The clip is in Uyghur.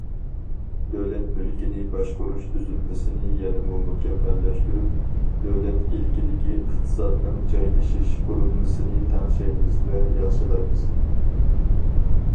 دۆلەت مۈلكىنى باشقۇرۇش تۈزۈلمىسىنى يەنىمۇ مۇكەممەللەشتۈرۈپ، دۆلەت ئىلكىدىكى ئىقتىسادنىڭ جايلىشىش قۇرۇلمىسىنى تەڭشەيمىز ۋە ياخشىلايمىز.